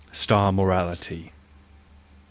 Star Morality .